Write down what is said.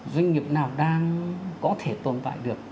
doanh nghiệp nào đang có thể tồn tại được